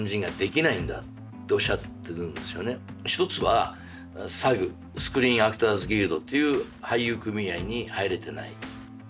１つはＳＡＧスクリーンアクターズギルドという俳優組合に入れてない。